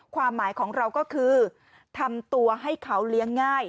ความหมายของเราก็คือทำตัวให้เขาเลี้ยงง่าย